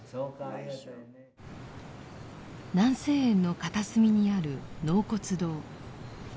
南静園の片隅にある納骨堂。